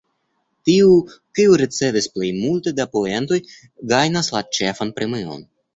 Tiu, kiu ricevis plej multe da poentoj, gajnas la ĉefan premion.